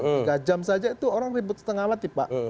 tiga jam saja itu orang ribut setengah mati pak